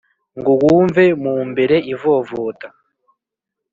ngo wumve mu mbere ivovota